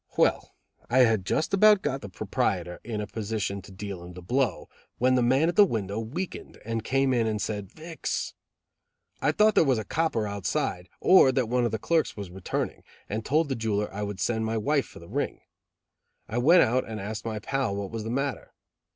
Well, I had just about got the proprietor in a position to deal him the blow when the man at the window weakened, and came in and said, "Vix." I thought there was a copper outside, or that one of the clerks was returning, and told the jeweler I would send my wife for the ring. I went out and asked my pal what was the matter.